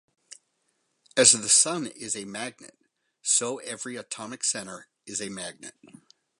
As the sun is a magnet, so every atomic center is a magnet.